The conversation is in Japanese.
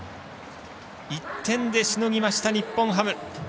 １点でしのぎました日本ハム。